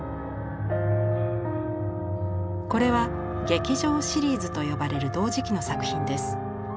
これは「劇場」シリーズと呼ばれる同時期の作品です。